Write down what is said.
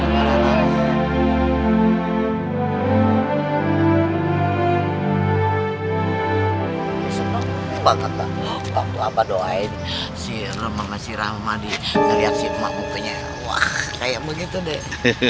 banget banget doain si rumahnya si rahmadi ngeliat si emang mukanya kayak begitu deh